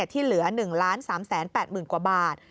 ที่เหลือ๑๓๘๐๐๐กว่าบาท